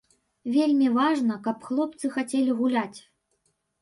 Вельмі важна, каб хлопцы хацелі гуляць.